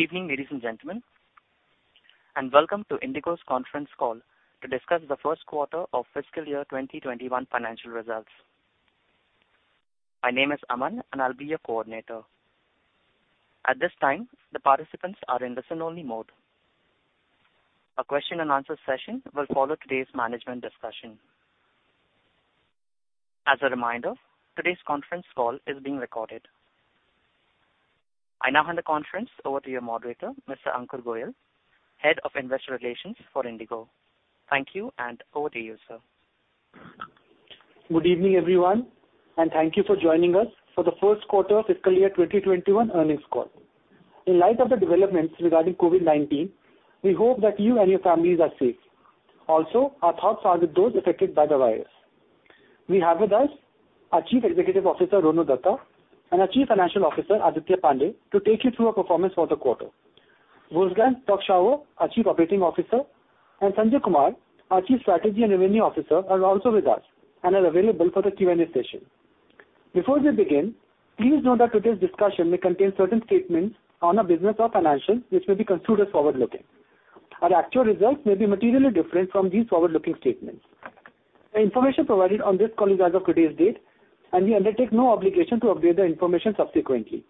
Good evening, ladies and gentlemen, and welcome to IndiGo's conference call to discuss the first quarter of fiscal year 2021 financial results. My name is Aman and I'll be your coordinator. At this time, the participants are in listen only mode. A question and answer session will follow today's management discussion. As a reminder, today's conference call is being recorded. I now hand the conference over to your moderator, Mr. Ankur Goel, Head of Investor Relations for IndiGo. Thank you, and over to you, sir. Good evening, everyone, and thank you for joining us for the first quarter fiscal year 2021 earnings call. In light of the developments regarding COVID-19, we hope that you and your families are safe. Also, our thoughts are with those affected by the virus. We have with us our Chief Executive Officer, Rono Dutta, and our Chief Financial Officer, Aditya Pande, to take you through our performance for the quarter. Wolfgang Prock-Schauer, our Chief Operating Officer, and Sanjay Kumar, our Chief Strategy and Revenue Officer, are also with us and are available for the Q&A session. Before we begin, please note that today's discussion may contain certain statements on our business or financials, which may be considered forward-looking. Our actual results may be materially different from these forward-looking statements. The information provided on this call is as of today's date, and we undertake no obligation to update the information subsequently.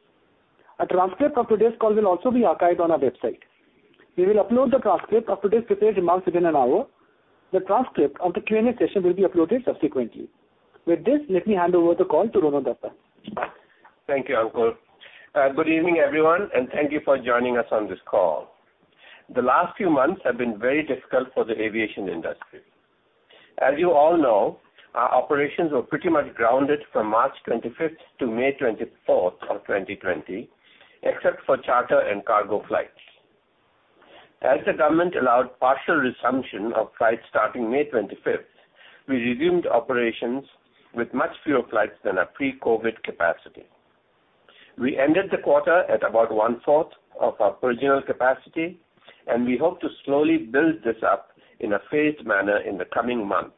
A transcript of today's call will also be archived on our website. We will upload the transcript of today's prepared remarks within an hour. The transcript of the Q&A session will be uploaded subsequently. With this, let me hand over the call to Rono Dutta. Thank you, Ankur. Good evening, everyone, and thank you for joining us on this call. The last few months have been very difficult for the aviation industry. As you all know, our operations were pretty much grounded from March 25th to May 24th, 2020, except for charter and cargo flights. As the government allowed partial resumption of flights starting May 25th, we resumed operations with much fewer flights than our pre-COVID capacity. We ended the quarter at about one-fourth of our original capacity, and we hope to slowly build this up in a phased manner in the coming months.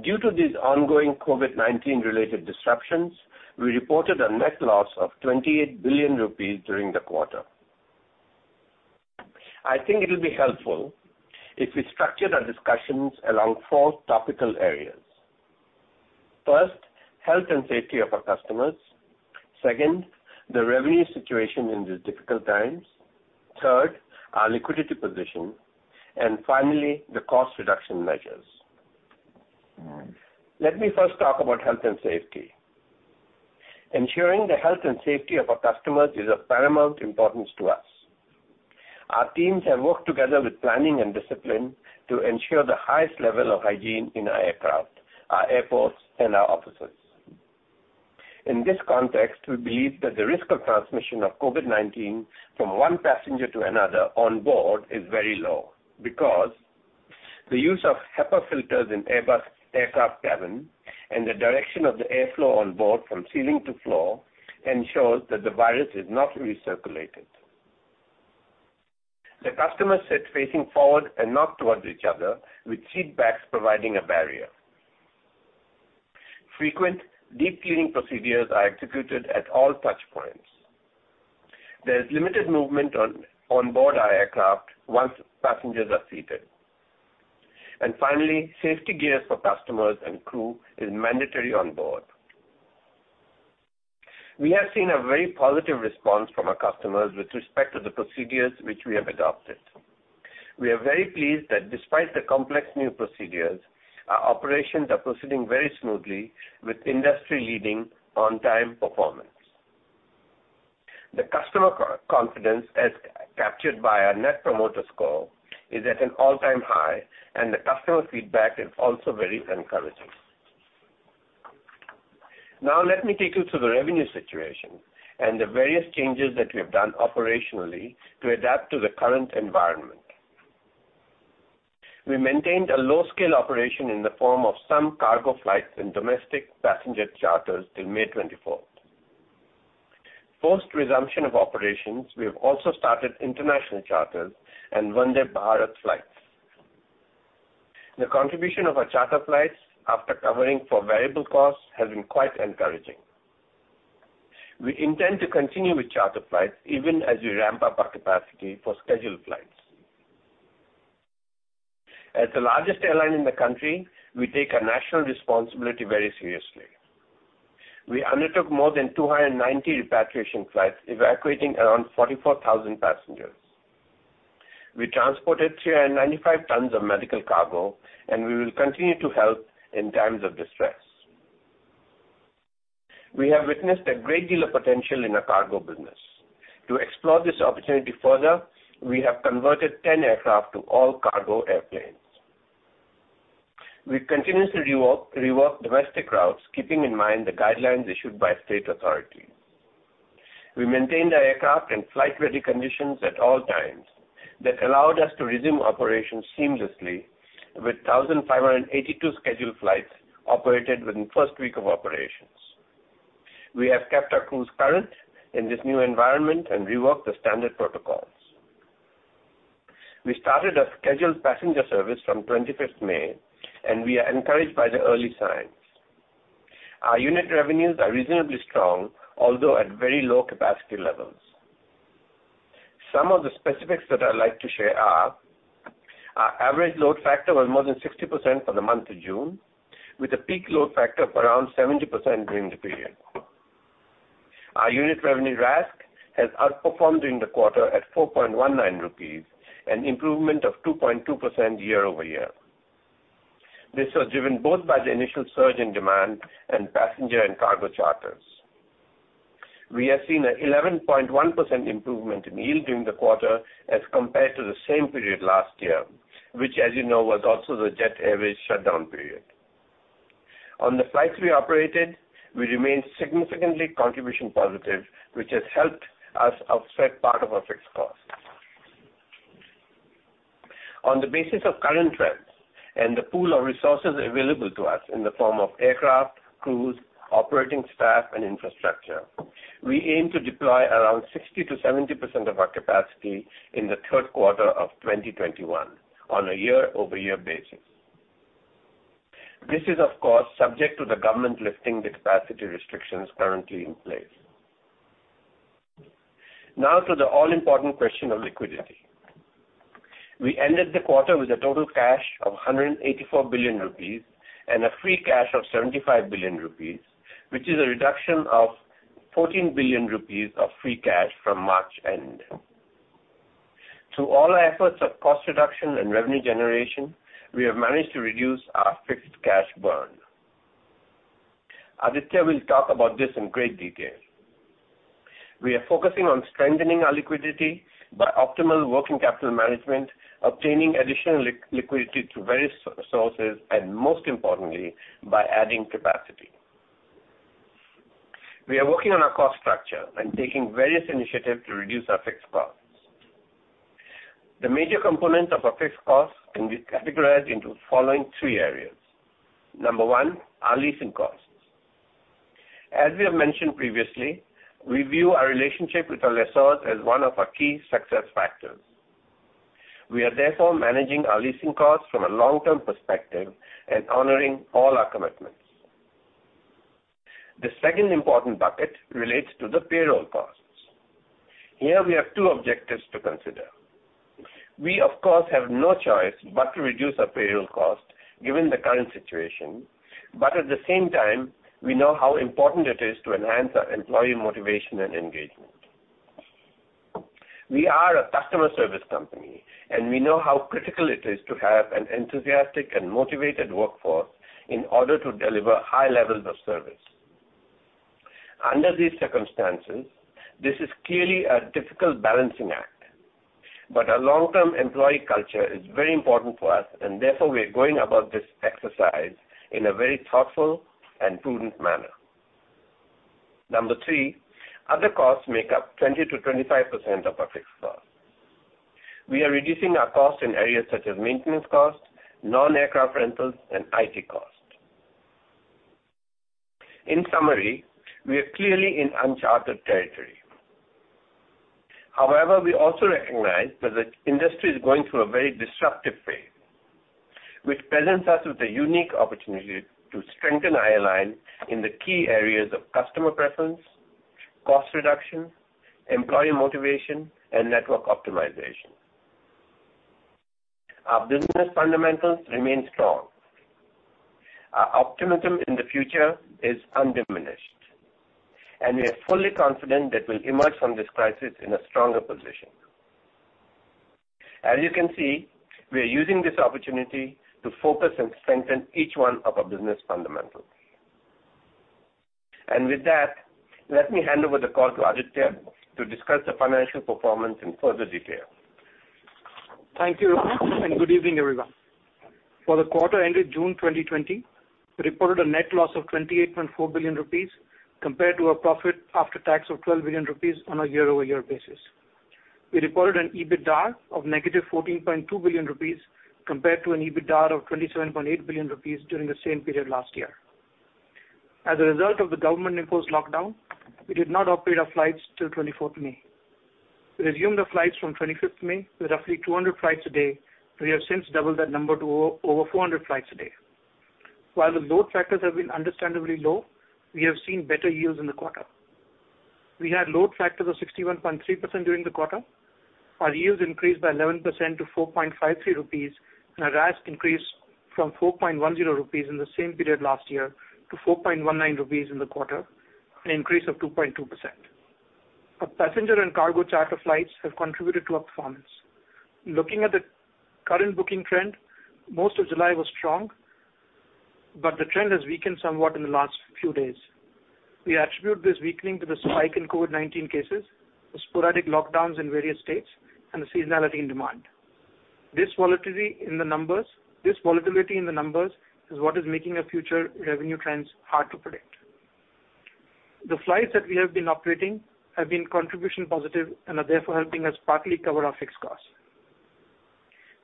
Due to these ongoing COVID-19 related disruptions, we reported a net loss of 28 billion rupees during the quarter. I think it'll be helpful if we structure our discussions around four topical areas. First, health and safety of our customers. Second, the revenue situation in these difficult times. Third, our liquidity position. Finally, the cost reduction measures. Let me first talk about health and safety. Ensuring the health and safety of our customers is of paramount importance to us. Our teams have worked together with planning and discipline to ensure the highest level of hygiene in our aircraft, our airports, and our offices. In this context, we believe that the risk of transmission of COVID-19 from one passenger to another on board is very low, because the use of HEPA filters in Airbus aircraft cabin and the direction of the airflow on board from ceiling to floor ensures that the virus is not recirculated. The customers sit facing forward and not towards each other, with seat backs providing a barrier. Frequent deep cleaning procedures are executed at all touchpoints. There is limited movement on board our aircraft once passengers are seated. Finally, safety gear for customers and crew is mandatory on board. We have seen a very positive response from our customers with respect to the procedures which we have adopted. We are very pleased that despite the complex new procedures, our operations are proceeding very smoothly with industry-leading on-time performance. The customer confidence, as captured by our net promoter score, is at an all-time high, and the customer feedback is also very encouraging. Let me take you to the revenue situation and the various changes that we have done operationally to adapt to the current environment. We maintained a low-scale operation in the form of some cargo flights and domestic passenger charters till May 24th. Post resumption of operations, we have also started international charters and Vande Bharat flights. The contribution of our charter flights after covering for variable costs has been quite encouraging. We intend to continue with charter flights even as we ramp up our capacity for scheduled flights. As the largest airline in the country, we take our national responsibility very seriously. We undertook more than 290 repatriation flights, evacuating around 44,000 passengers. We transported 395 tons of medical cargo, and we will continue to help in times of distress. We have witnessed a great deal of potential in our cargo business. To explore this opportunity further, we have converted 10 aircraft to all-cargo airplanes. We continue to rework domestic routes, keeping in mind the guidelines issued by state authorities. We maintained our aircraft in flight-ready conditions at all times. That allowed us to resume operations seamlessly with 1,582 scheduled flights operated within the first week of operations. We have kept our crews current in this new environment and reworked the standard protocol. We started a scheduled passenger service from 25th May. We are encouraged by the early signs. Our unit revenues are reasonably strong, although at very low capacity levels. Some of the specifics that I'd like to share are. Our average load factor was more than 60% for the month of June, with a peak load factor of around 70% during the period. Our unit revenue RASK has outperformed during the quarter at 4.19 rupees, an improvement of 2.2% year-over-year. This was driven both by the initial surge in demand and passenger and cargo charters. We have seen a 11.1% improvement in yield during the quarter as compared to the same period last year, which, as you know, was also the Jet Airways shutdown period. On the flights we operated, we remained significantly contribution positive, which has helped us offset part of our fixed costs. On the basis of current trends and the pool of resources available to us in the form of aircraft, crews, operating staff, and infrastructure, we aim to deploy around 60%-70% of our capacity in the third quarter of 2021 on a year-over-year basis. This is, of course, subject to the government lifting the capacity restrictions currently in place. To the all-important question of liquidity. We ended the quarter with a total cash of 184 billion rupees and a free cash of 75 billion rupees, which is a reduction of 14 billion rupees of free cash from March-end. Through all our efforts of cost reduction and revenue generation, we have managed to reduce our fixed cash burn. Aditya will talk about this in great detail. We are focusing on strengthening our liquidity by optimal working capital management, obtaining additional liquidity through various sources, and most importantly, by adding capacity. We are working on our cost structure and taking various initiatives to reduce our fixed costs. The major components of our fixed costs can be categorized into following three areas. Number one, our leasing costs. As we have mentioned previously, we view our relationship with our lessors as one of our key success factors. We are therefore managing our leasing costs from a long-term perspective and honoring all our commitments. The second important bucket relates to the payroll costs. Here we have two objectives to consider. We of course have no choice but to reduce our payroll cost given the current situation, but at the same time, we know how important it is to enhance our employee motivation and engagement. We are a customer service company, and we know how critical it is to have an enthusiastic and motivated workforce in order to deliver high levels of service. Under these circumstances, this is clearly a difficult balancing act, but a long-term employee culture is very important for us, and therefore we are going about this exercise in a very thoughtful and prudent manner. Number three, other costs make up 20%-25% of our fixed cost. We are reducing our costs in areas such as maintenance costs, non-aircraft rentals, and IT costs. In summary, we are clearly in uncharted territory. However, we also recognize that the industry is going through a very disruptive phase, which presents us with a unique opportunity to strengthen our airline in the key areas of customer preference, cost reduction, employee motivation, and network optimization. Our business fundamentals remain strong. Our optimism in the future is undiminished, and we are fully confident that we'll emerge from this crisis in a stronger position. As you can see, we are using this opportunity to focus and strengthen each one of our business fundamentals. With that, let me hand over the call to Aditya to discuss the financial performance in further detail. Thank you, Rono. Good evening, everyone. For the quarter ended June 2020, we reported a net loss of 28.4 billion rupees compared to a profit after tax of 12 billion rupees on a year-over-year basis. We reported an EBITDAR of negative 14.2 billion rupees compared to an EBITDAR of 27.8 billion rupees during the same period last year. As a result of the government-imposed lockdown, we did not operate our flights till 24th May. We resumed our flights from 25th May with roughly 200 flights a day. We have since doubled that number to over 400 flights a day. While the load factors have been understandably low, we have seen better yields in the quarter. We had load factors of 61.3% during the quarter. Our yields increased by 11% to 4.53 rupees, and our RASK increased from 4.10 rupees in the same period last year to 4.19 rupees in the quarter, an increase of 2.2%. Our passenger and cargo charter flights have contributed to our performance. Looking at the current booking trend, most of July was strong, but the trend has weakened somewhat in the last few days. We attribute this weakening to the spike in COVID-19 cases, the sporadic lockdowns in various states, and the seasonality in demand. This volatility in the numbers is what is making our future revenue trends hard to predict. The flights that we have been operating have been contribution positive and are therefore helping us partly cover our fixed costs.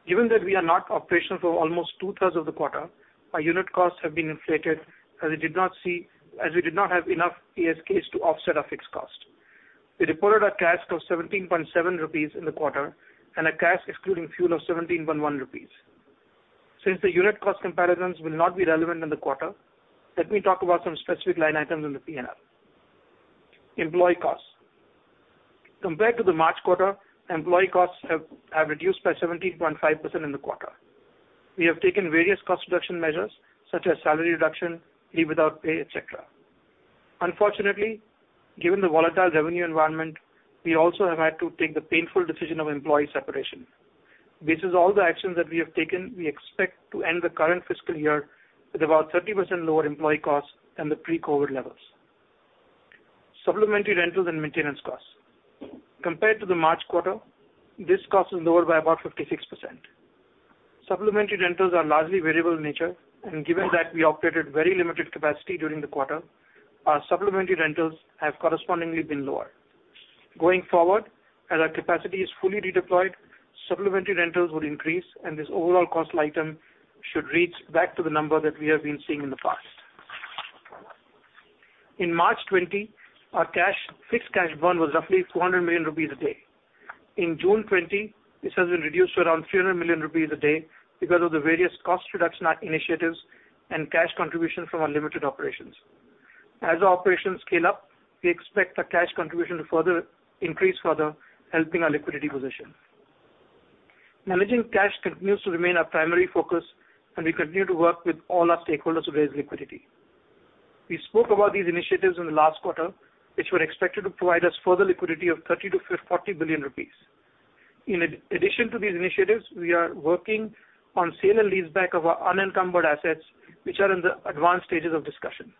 Given that we are not operational for almost two-thirds of the quarter, our unit costs have been inflated as we did not have enough ASK to offset our fixed cost. We reported a CASK of 17.7 rupees in the quarter and a CASK excluding fuel of 17.1 rupees. Since the unit cost comparisons will not be relevant in the quarter, let me talk about some specific line items in the P&L. Employee costs. Compared to the March quarter, employee costs have reduced by 17.5% in the quarter. We have taken various cost reduction measures such as salary reduction, leave without pay, et cetera. Unfortunately, given the volatile revenue environment, we also have had to take the painful decision of employee separation. Based on all the actions that we have taken, we expect to end the current fiscal year with about 30% lower employee costs than the pre-COVID levels. Supplementary rentals and maintenance costs. Compared to the March quarter, this cost is lower by about 56%. Supplementary rentals are largely variable in nature, and given that we operated very limited capacity during the quarter, our supplementary rentals have correspondingly been lower. Going forward, as our capacity is fully redeployed, supplementary rentals will increase, and this overall cost item should reach back to the number that we have been seeing in the past. In March 2020, our fixed cash burn was roughly 400 million rupees a day. In June 2020, this has been reduced to around 300 million rupees a day because of the various cost reduction initiatives and cash contributions from our limited operations. As our operations scale up, we expect our cash contribution to increase further, helping our liquidity position. Managing cash continues to remain our primary focus, and we continue to work with all our stakeholders to raise liquidity. We spoke about these initiatives in the last quarter, which were expected to provide us further liquidity of 30 billion-40 billion rupees. In addition to these initiatives, we are working on sale and leaseback of our unencumbered assets, which are in the advanced stages of discussion.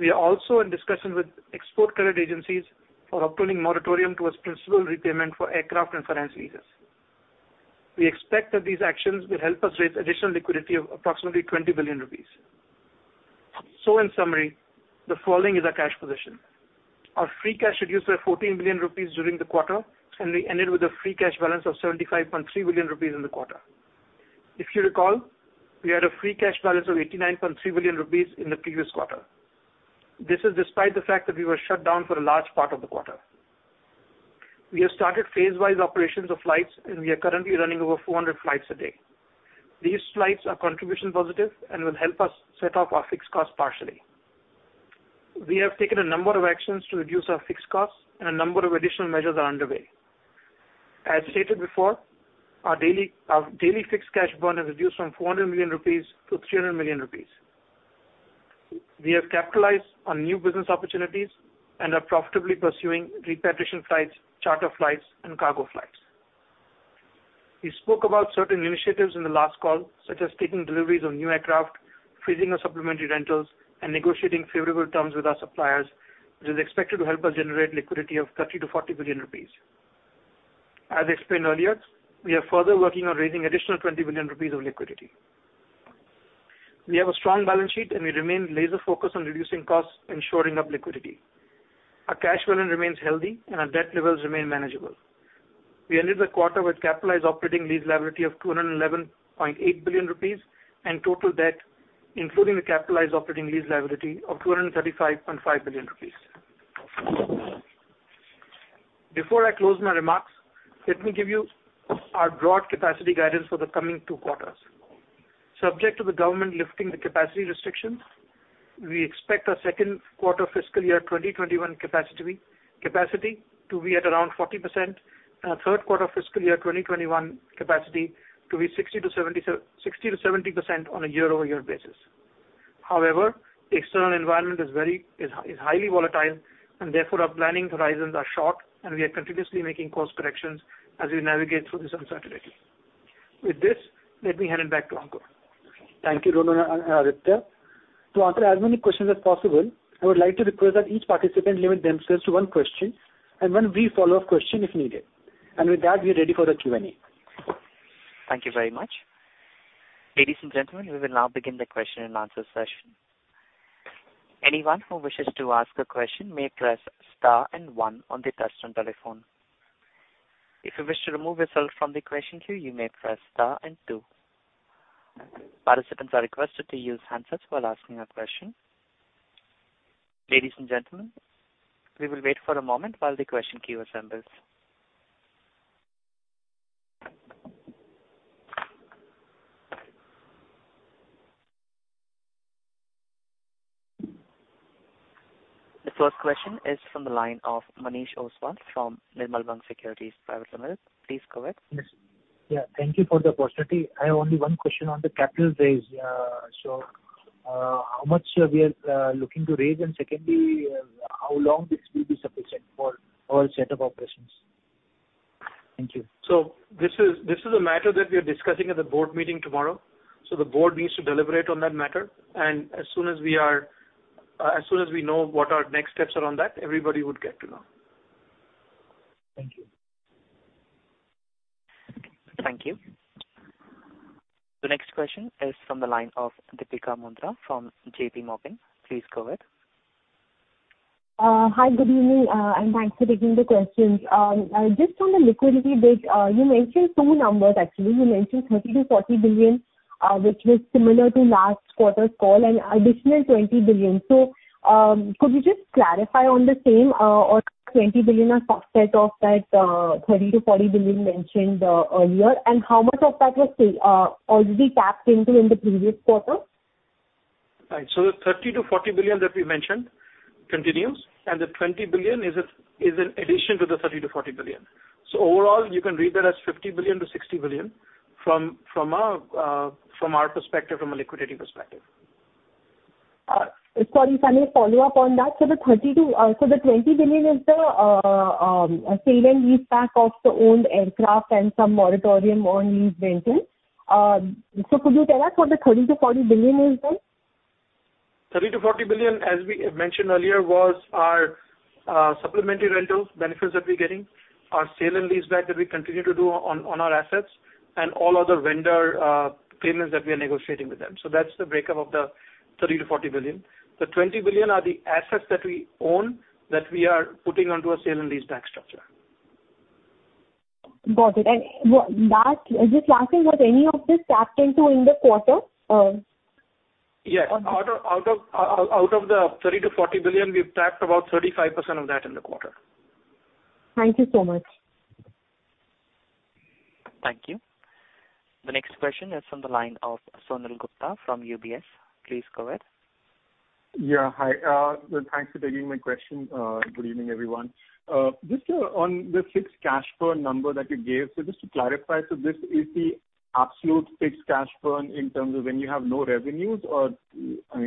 We are also in discussions with export credit agencies for obtaining moratorium towards principal repayment for aircraft and finance leases. We expect that these actions will help us raise additional liquidity of approximately 20 billion rupees. In summary, the following is our cash position. Our free cash reduced by INR. 14 billion during the quarter, and we ended with a free cash balance of 75.3 billion rupees in the quarter. If you recall, we had a free cash balance of 89.3 billion rupees in the previous quarter. This is despite the fact that we were shut down for a large part of the quarter. We have started phase-wise operations of flights, and we are currently running over 400 flights a day. These flights are contribution positive and will help us set off our fixed costs partially. We have taken a number of actions to reduce our fixed costs and a number of additional measures are underway. As stated before, our daily fixed cash burn has reduced from 400 million rupees to 300 million rupees. We have capitalized on new business opportunities and are profitably pursuing repatriation flights, charter flights and cargo flights. We spoke about certain initiatives in the last call, such as taking deliveries on new aircraft, freezing our supplementary rentals, and negotiating favorable terms with our suppliers, which is expected to help us generate liquidity of 30 billion-40 billion rupees. As explained earlier, we are further working on raising additional 20 billion rupees of liquidity. We have a strong balance sheet, and we remain laser-focused on reducing costs and shoring up liquidity. Our cash balance remains healthy and our debt levels remain manageable. We ended the quarter with capitalized operating lease liability of 211.8 billion rupees and total debt, including the capitalized operating lease liability of 235.5 billion rupees. Before I close my remarks, let me give you our broad capacity guidance for the coming two quarters. Subject to the government lifting the capacity restrictions, we expect our second quarter fiscal year 2021 capacity to be at around 40% and our third quarter fiscal year 2021 capacity to be 60%-70% on a year-over-year basis. The external environment is highly volatile and therefore our planning horizons are short and we are continuously making course corrections as we navigate through this uncertainty. With this, let me hand it back to Ankur. Thank you, Rono and Aditya. To answer as many questions as possible, I would like to request that each participant limit themselves to one question and one brief follow-up question if needed. With that, we are ready for the Q&A. Thank you very much. Ladies and gentlemen, we will now begin the question-and-answer session. Anyone who wishes to ask a question may press star and one on their touchtone telephone. If you wish to remove yourself from the question queue, you may press star and two. Participants are requested to use handsets while asking a question. Ladies and gentlemen, we will wait for a moment while the question queue assembles. The first question is from the line of Manish Ostwal from Nirmal Bang Securities Private Limited. Please go ahead. Yes. Thank you for the opportunity. I have only one question on the capital raise. How much are we looking to raise? Secondly, how long this will be sufficient for all set of operations? Thank you. This is a matter that we are discussing at the board meeting tomorrow. The board needs to deliberate on that matter, and as soon as we know what our next steps are on that, everybody would get to know. Thank you. Thank you. The next question is from the line of Deepika Mundra from JPMorgan. Please go ahead. Hi, good evening. Thanks for taking the questions. Just on the liquidity bit, you mentioned two numbers actually. You mentioned 30 billion-40 billion, which was similar to last quarter's call, and additional 20 billion. Could you just clarify on the same, or 20 billion are subset of that 30 billion-40 billion mentioned earlier? How much of that was already tapped into in the previous quarter? Right. The 30 billion to 40 billion that we mentioned continues. The 20 billion is in addition to the 30 billion to 40 billion. Overall, you can read that as 50 billion to 60 billion from our perspective, from a liquidity perspective. Sorry, Sanjav. Follow-up on that. The 20 billion is the sale and leaseback of the owned aircraft and some moratorium on lease rentals. Could you tell us what the 30 billion-40 billion is then? 30 billion-40 billion, as we mentioned earlier, was our supplementary rental benefits that we're getting, our sale and leaseback that we continue to do on our assets and all other vendor payments that we are negotiating with them. That's the breakup of the 30 billion-40 billion. The 20 billion are the assets that we own, that we are putting onto a sale and leaseback structure. Got it. Just lastly, was any of this tapped into in the quarter? Yes. Out of the 30 billion-40 billion, we've tapped about 35% of that in the quarter. Thank you so much. Thank you. The next question is from the line of Sonal Gupta from UBS. Please go ahead. Yeah. Hi. Thanks for taking my question. Good evening, everyone. Just on the fixed cash burn number that you gave. Just to clarify, so this is the absolute fixed cash burn in terms of when you have no revenues or,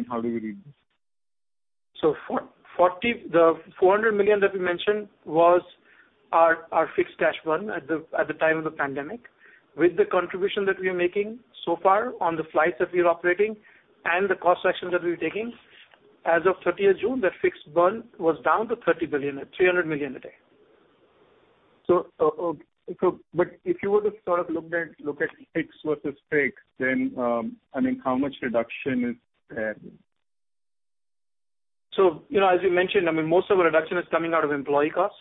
how do you read this? The 400 million that we mentioned was our fixed cash burn at the time of the pandemic. With the contribution that we are making so far on the flights that we are operating and the cost actions that we're taking, as of 30th June, that fixed burn was down to 300 million a day. If you were to sort of look at fixed versus fixed, how much reduction is there? As we mentioned, most of our reduction is coming out of employee costs.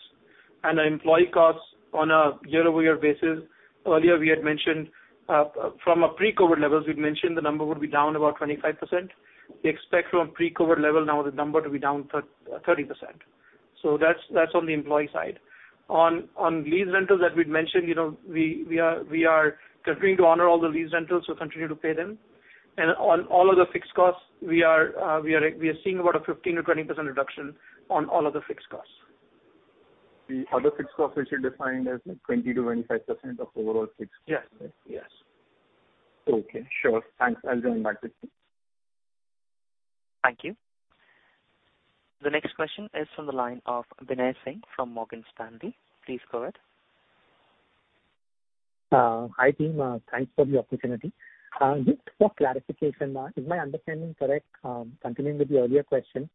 The employee costs on a year-over-year basis, earlier we had mentioned from a pre-COVID levels, we'd mentioned the number would be down about 25%. We expect from pre-COVID level now the number to be down 30%. That's on the employee side. On lease rentals that we'd mentioned, we are continuing to honor all the lease rentals, so continue to pay them. On all of the fixed costs, we are seeing about a 15%-20% reduction on all of the fixed costs. The other fixed costs, which you defined as 20%-25% of overall fixed costs? Yes. Okay. Sure. Thanks. I'll join back with you. Thank you. The next question is from the line of Binay Singh from Morgan Stanley. Please go ahead. Hi, team. Thanks for the opportunity. Just for clarification, is my understanding correct? Continuing with the earlier question.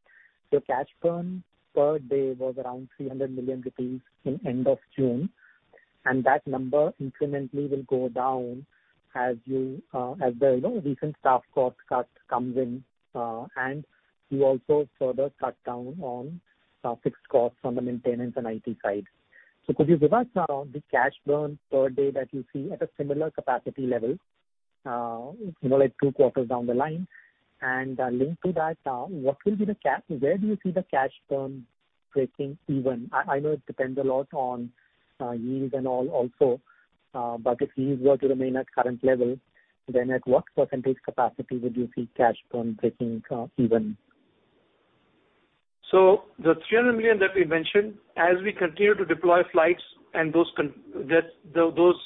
Cash burn per day was around 300 million rupees in end of June, and that number incrementally will go down as the recent staff cost cut comes in, and you also further cut down on fixed costs on the maintenance and IT side. Could you give us the cash burn per day that you see at a similar capacity level, like two quarters down the line? Linked to that, where do you see the cash burn breaking even? I know it depends a lot on yield and all also. If yields were to remain at current level, then at what percentage capacity would you see cash burn breaking even? The 300 million that we mentioned, as we continue to deploy flights and those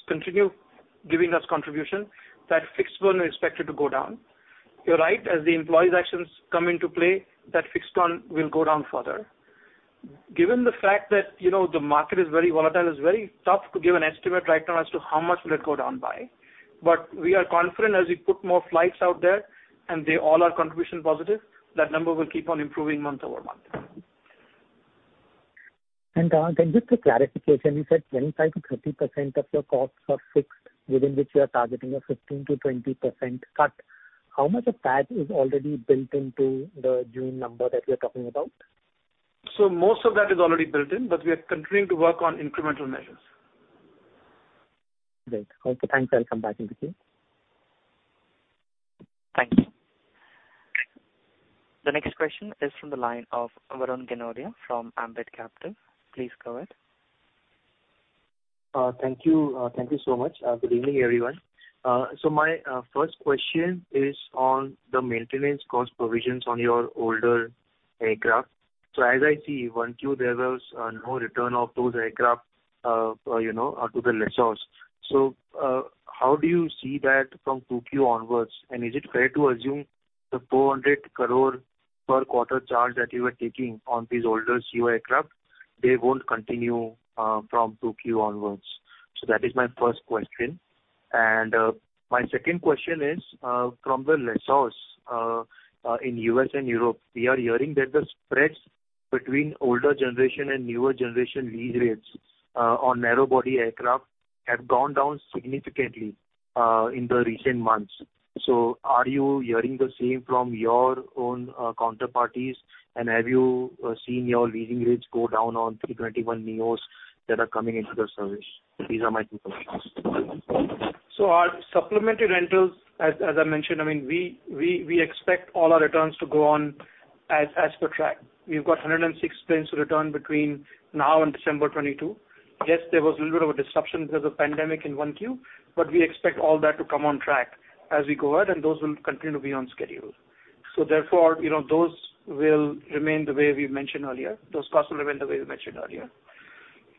continue giving us contribution, that fixed burn is expected to go down. You are right, as the employee actions come into play, that fixed burn will go down further. Given the fact that the market is very volatile, it is very tough to give an estimate right now as to how much will it go down by. We are confident as we put more flights out there and they all are contribution positive, that number will keep on improving month-over-month. Just a clarification, you said 25%-30% of your costs are fixed, within which you are targeting a 15%-20% cut. How much of that is already built into the June number that we're talking about? Most of that is already built in, but we are continuing to work on incremental measures. Great. Okay, thanks. I'll come back if required. Thank you. The next question is from the line of Varun Ginodia from Ambit Capital. Please go ahead. Thank you so much. Good evening, everyone. My first question is on the maintenance cost provisions on your older aircraft. As I see, 1Q, there was no return of those aircraft to the lessors. How do you see that from 2Q onwards and is it fair to assume the 400 crore per quarter charge that you were taking on these older ceo aircraft, they won't continue from 2Q onwards? That is my first question. My second question is, from the lessors in U.S. and Europe, we are hearing that the spreads between older generation and newer generation lease rates on narrow body aircraft have gone down significantly in the recent months. Are you hearing the same from your own counterparties? Have you seen your leasing rates go down on 321neos that are coming into the service? These are my two questions. Our supplementary rentals, as I mentioned, we expect all our returns to go on as per track. We've got 106 planes to return between now and December 2022. Yes, there was a little bit of a disruption because of pandemic in 1Q. We expect all that to come on track as we go out, and those will continue to be on schedule. Therefore, those will remain the way we mentioned earlier. Those costs will remain the way we mentioned earlier.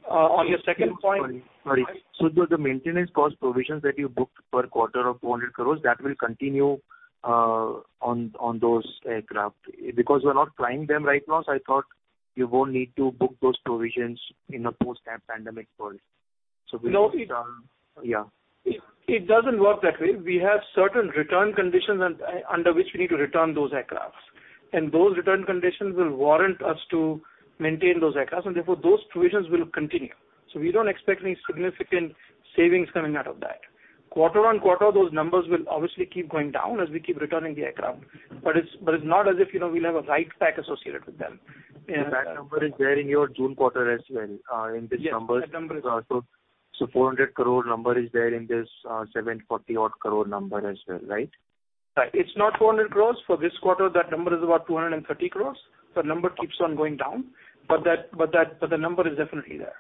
On your second point. Sorry. The maintenance cost provisions that you booked per quarter of 200 crores, that will continue on those aircraft. We're not flying them right now, so I thought you won't need to book those provisions in a post-pandemic world. Will it be done? Yeah. It doesn't work that way. We have certain return conditions under which we need to return those aircraft. Those return conditions will warrant us to maintain those aircraft, and therefore those provisions will continue. We don't expect any significant savings coming out of that. Quarter-on-quarter, those numbers will obviously keep going down as we keep returning the aircraft. It's not as if we'll have a write back associated with them. Yeah. That number is there in your June quarter as well. Yes, that number. 400 crore number is there in this 740 odd crore number as well, right? Right. It's not 400 crores. For this quarter, that number is about 230 crores. The number keeps on going down. The number is definitely there.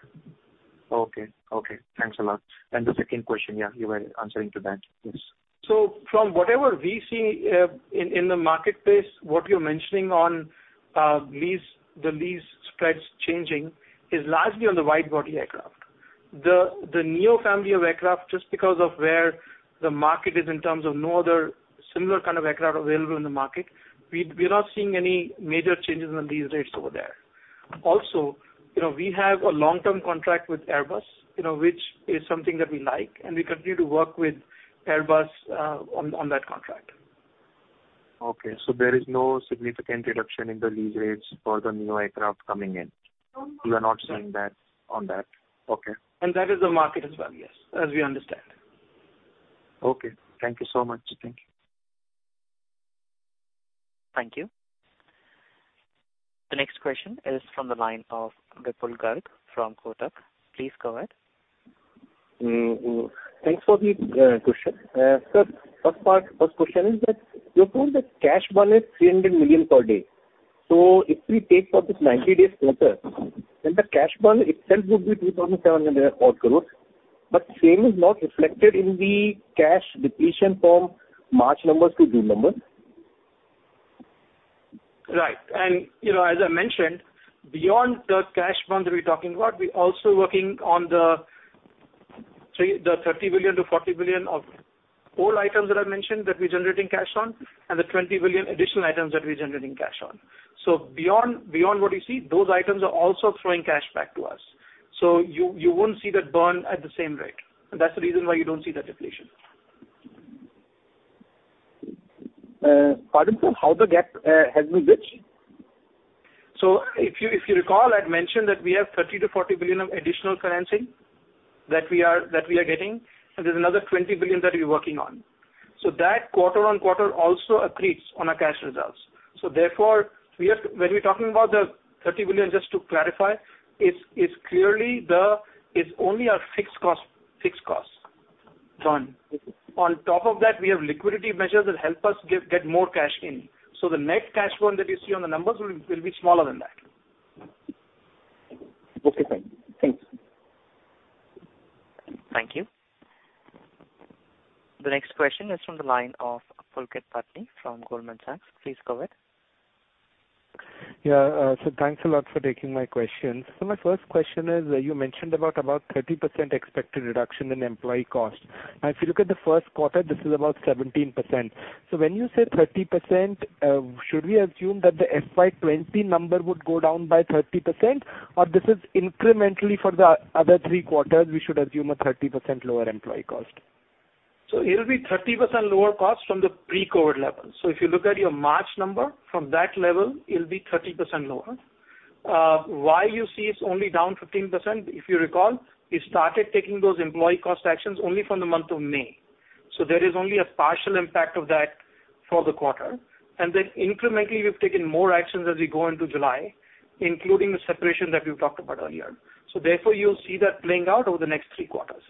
Okay. Thanks a lot. The second question, yeah, you were answering to that. Yes. From whatever we see in the marketplace, what you're mentioning on the lease spreads changing is largely on the wide-body aircraft. The NEO family of aircraft, just because of where the market is in terms of no other similar kind of aircraft available in the market, we're not seeing any major changes on the lease rates over there. We have a long-term contract with Airbus, which is something that we like, and we continue to work with Airbus on that contract. Okay, there is no significant reduction in the lease rates for the NEO aircraft coming in. You are not seeing that on that. Okay. That is the market as well, yes, as we understand. Okay. Thank you so much. Thank you. Thank you. The next question is from the line of Vipul Garg from Kotak. Please go ahead. Thanks for the question. Sir, first question is that you told that cash burn is 300 million per day. If we take for this 90-day quarter, the cash burn itself would be 2,700 odd crores. Same is not reflected in the cash depletion from March numbers to June numbers. Right. As I mentioned, beyond the cash burn that we're talking about, we're also working on the 30 billion-40 billion of old items that I mentioned that we're generating cash on, and the 20 billion additional items that we're generating cash on. Beyond what you see, those items are also throwing cash back to us. You won't see that burn at the same rate. That's the reason why you don't see that depletion. Pardon, sir, how the gap has been bridged? If you recall, I'd mentioned that we have 30 billion-40 billion of additional financing that we are getting, and there's another 20 billion that we're working on. That quarter-on-quarter also accretes on our cash results. Therefore, when we're talking about the 30 billion, just to clarify, it's only our fixed costs burn. On top of that, we have liquidity measures that help us get more cash in. The net cash burn that you see on the numbers will be smaller than that. Okay, fine. Thanks. Thank you. The next question is from the line of Pulkit Patni from Goldman Sachs. Please go ahead. Yeah, sir. Thanks a lot for taking my questions. My first question is, you mentioned about 30% expected reduction in employee costs. Now, if you look at the first quarter, this is about 17%. When you say 30%, should we assume that the FY 2020 number would go down by 30%? This is incrementally for the other three quarters, we should assume a 30% lower employee cost? It'll be 30% lower cost from the pre-COVID level. If you look at your March number, from that level, it'll be 30% lower. Why you see it's only down 15%, if you recall, we started taking those employee cost actions only from the month of May. There is only a partial impact of that for the quarter. Incrementally, we've taken more actions as we go into July, including the separation that we've talked about earlier. Therefore, you'll see that playing out over the next three quarters.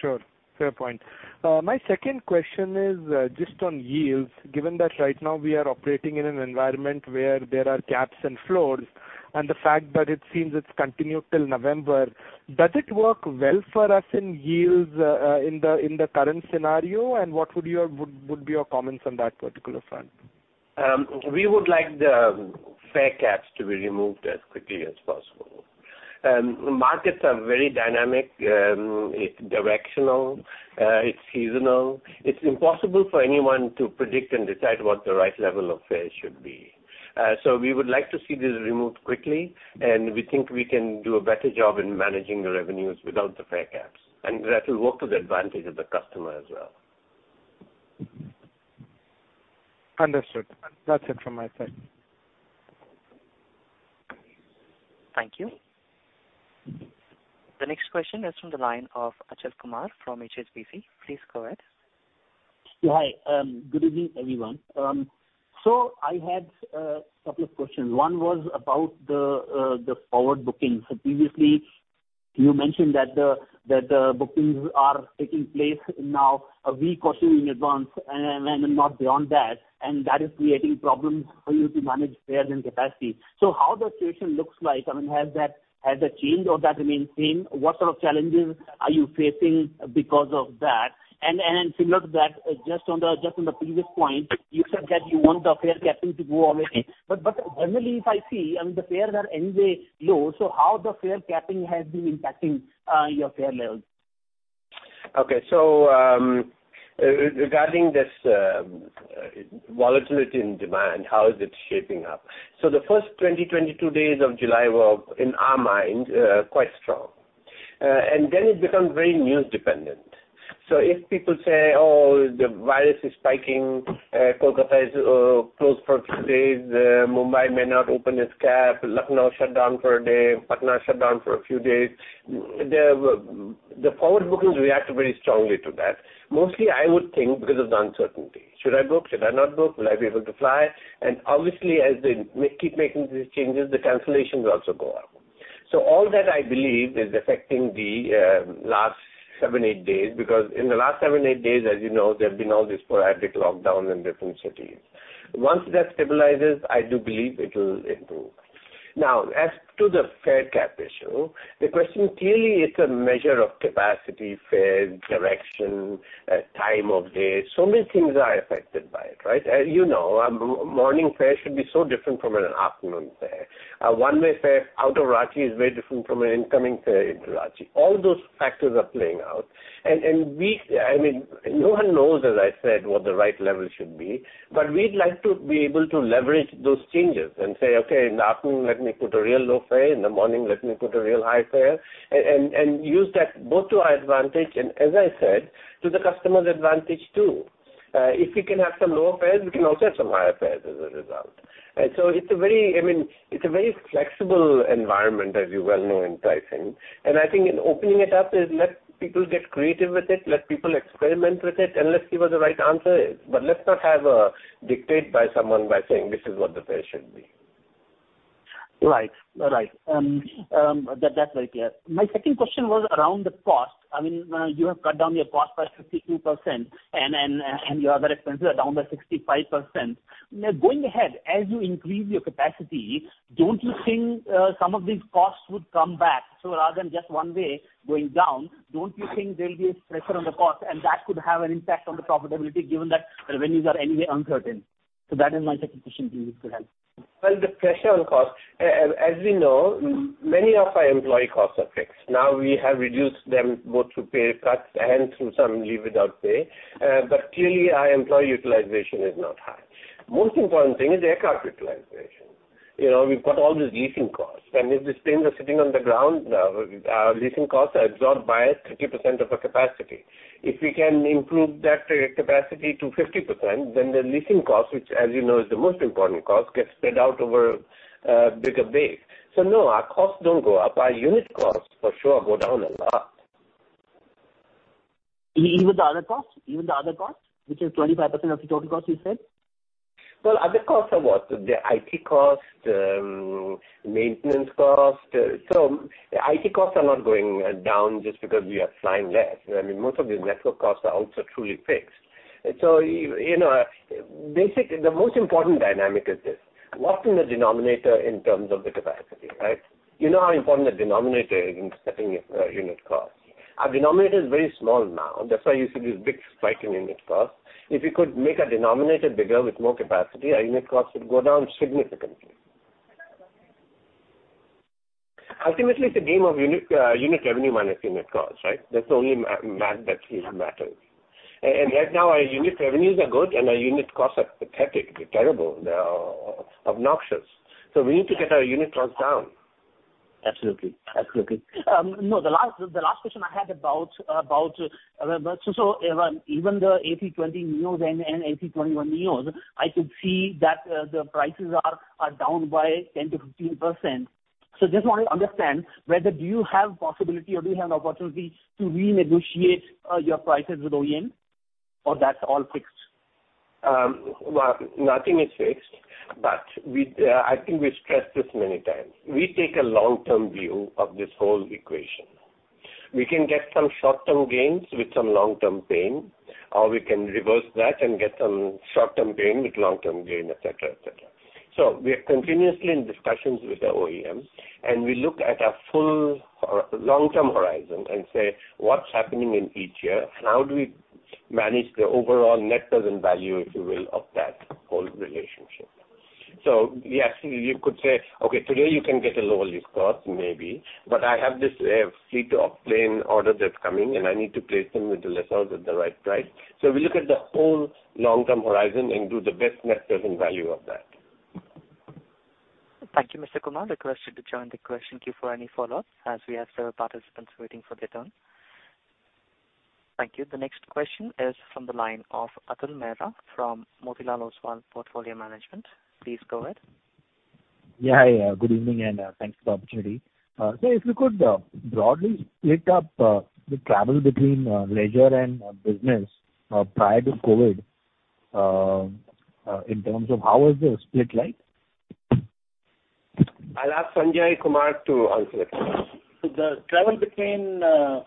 Sure. Fair point. My second question is just on yields. Given that right now we are operating in an environment where there are caps and floors, and the fact that it seems it's continued till November, does it work well for us in yields in the current scenario? What would be your comments on that particular front? We would like the fare caps to be removed as quickly as possible. Markets are very dynamic. It's directional. It's seasonal. It's impossible for anyone to predict and decide what the right level of fares should be. We would like to see this removed quickly, and we think we can do a better job in managing the revenues without the fare caps. That will work to the advantage of the customer as well. Understood. That's it from my side. Thank you. The next question is from the line of Achal Kumar from HSBC. Please go ahead. Hi. Good evening, everyone. I had a couple of questions. One was about the forward bookings. Previously, you mentioned that the bookings are taking place now a week or two in advance and not beyond that, and that is creating problems for you to manage fares and capacity. How does the situation look like? Has that changed or does that remain same? What sort of challenges are you facing because of that? Similar to that, just on the previous point, you said that you want the fare capping to go away. Generally, if I see, the fares are anyway low, how the fare capping has been impacting your fare levels? Okay. Regarding this volatility in demand, how is it shaping up? The first 20-22 days of July were, in our mind, quite strong. Then it becomes very news dependent. If people say, "Oh, the virus is spiking. Kolkata is closed for a few days. Mumbai may not open its CAF. Lucknow shut down for a day. Patna shut down for a few days." The forward bookings react very strongly to that. Mostly, I would think because of the uncertainty. Should I book? Should I not book? Will I be able to fly? Obviously, as they keep making these changes, the cancellations also go up. All that, I believe, is affecting the last seven, eight days, because in the last seven, eight days, as you know, there have been all these sporadic lockdowns in different cities. Once that stabilizes, I do believe it will improve. Now, as to the fare cap issue, the question clearly is a measure of capacity, fares, direction, time of day. Many things are affected by it, right? As you know, a morning fare should be so different from an afternoon fare. A one-way fare out of Ranchi is very different from an incoming fare into Ranchi. All those factors are playing out. No one knows, as I said, what the right level should be, but we'd like to be able to leverage those changes and say, "Okay, in the afternoon, let me put a real low fare. In the morning, let me put a real high fare," and use that both to our advantage and, as I said, to the customer's advantage, too. If we can have some low fares, we can also have some high fares as a result. It's a very flexible environment, as you well know in pricing. I think in opening it up is let people get creative with it, let people experiment with it, and let's give us the right answer. Let's not have a dictate by someone by saying, this is what the fare should be. Right. That's very clear. My second question was around the cost. You have cut down your cost by 52%, and your other expenses are down by 65%. Going ahead, as you increase your capacity, don't you think some of these costs would come back? Rather than just one way going down, don't you think there'll be a pressure on the cost and that could have an impact on the profitability given that revenues are anyway uncertain? That is my second question to you, if you could help. Well, the pressure on cost, as we know, many of our employee costs are fixed. We have reduced them both through pay cuts and through some leave without pay. Clearly, our employee utilization is not high. Most important thing is aircraft utilization. We've got all these leasing costs, and if these planes are sitting on the ground now, our leasing costs are absorbed by us 30% of our capacity. If we can improve that capacity to 50%, then the leasing cost, which as you know, is the most important cost, gets spread out over a bigger base. No, our costs don't go up. Our unit costs for sure go down a lot. Even the other costs, which is 25% of the total cost, you said? Well, other costs are what? The IT cost, maintenance cost. IT costs are not going down just because we are flying less. Most of these network costs are also truly fixed. The most important dynamic is this, what's in the denominator in terms of the capacity, right? You know how important the denominator is in setting a unit cost. Our denominator is very small now. That's why you see this big spike in unit cost. If you could make a denominator bigger with more capacity, our unit cost would go down significantly. Ultimately, it's a game of unit revenue minus unit cost, right? That's the only math that really matters. Right now, our unit revenues are good and our unit costs are pathetic. They're terrible. They're obnoxious. We need to get our unit costs down. Absolutely. The last question I had. Even the A320neos and A321neos, I could see that the prices are down by 10%-15%. Just want to understand whether do you have possibility or do you have opportunity to renegotiate your prices with OEM or that's all fixed? Well, nothing is fixed, I think we stressed this many times. We take a long-term view of this whole equation. We can get some short-term gains with some long-term pain, or we can reverse that and get some short-term pain with long-term gain, et cetera. We are continuously in discussions with the OEM, and we look at a full long-term horizon and say, what's happening in each year? How do we manage the overall net present value, if you will, of that whole relationship? Yes, you could say, okay, today you can get a lower lease cost, maybe, but I have this fleet of plane order that's coming, and I need to place them with the lessors at the right price. We look at the whole long-term horizon and do the best net present value of that. Thank you, Mr. Kumar. Request you to join the question queue for any follow-ups as we have several participants waiting for their turn. Thank you. The next question is from the line of Atul Mehra from Motilal Oswal Portfolio Management. Please go ahead. Yeah. Good evening, thanks for the opportunity. Sir, if you could broadly split up the travel between leisure and business prior to COVID-19, in terms of how was the split like? I'll ask Sanjay Kumar to answer that one. The travel between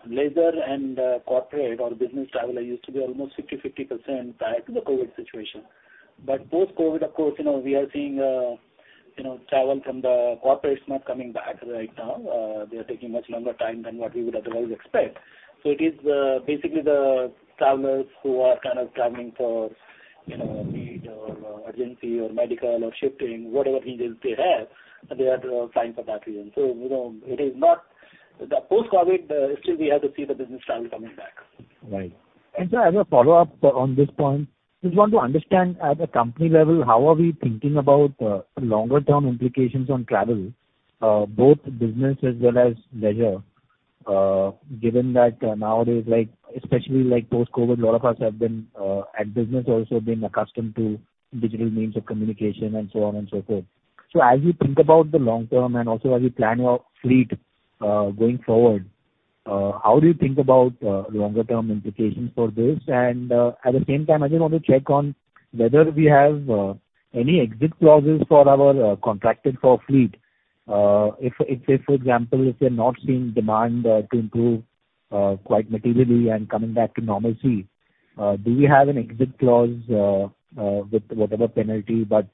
leisure and corporate or business travel used to be almost 50/50% prior to the COVID-19 situation. Post-COVID-19, of course, we are seeing travel from the corporates not coming back right now. They're taking much longer time than what we would otherwise expect. It is basically the travelers who are kind of traveling for need or urgency or medical or shifting, whatever reasons they have, they are flying for that reason. Post-COVID-19, still we have to see the business travel coming back. Right. Sir, as a follow-up on this point, just want to understand at a company level, how are we thinking about the longer term implications on travel, both business as well as leisure, given that nowadays, especially post-COVID-19, a lot of us have been, at business also, been accustomed to digital means of communication and so on and so forth. As we think about the long term and also as we plan our fleet going forward, how do you think about longer term implications for this? At the same time, I just want to check on whether we have any exit clauses for our contracted for fleet. If say, for example, if we're not seeing demand to improve quite materially and coming back to normalcy, do we have an exit clause with whatever penalty, but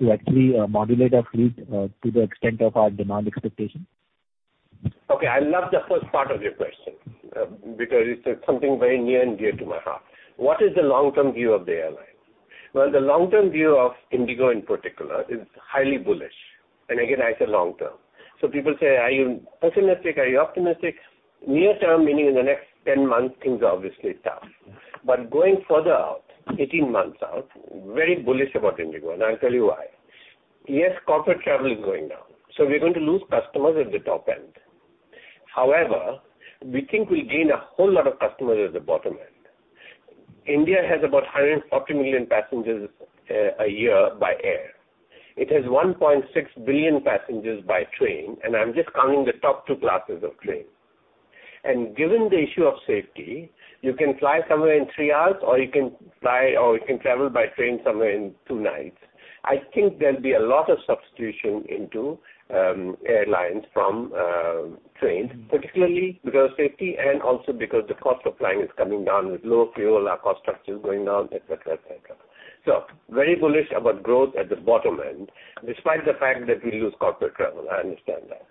to actually modulate our fleet to the extent of our demand expectation? I love the first part of your question because it's something very near and dear to my heart. What is the long-term view of the airline? Well, the long-term view of IndiGo, in particular, is highly bullish. Again, I say long term. People say, "Are you pessimistic? Are you optimistic?" Near term, meaning in the next 10 months, things are obviously tough. Going further out, 18 months out, very bullish about IndiGo. I'll tell you why. Yes, corporate travel is going down, we're going to lose customers at the top end. However, we think we gain a whole lot of customers at the bottom end. India has about 140 million passengers a year by air. It has 1.6 billion passengers by train. I'm just counting the top 2 classes of train. Given the issue of safety, you can fly somewhere in three hours or you can travel by train somewhere in two nights. I think there'll be a lot of substitution into airlines from trains, particularly because of safety and also because the cost of flying is coming down with low fuel, our cost structure is going down, et cetera. Very bullish about growth at the bottom end, despite the fact that we lose corporate travel. I understand that.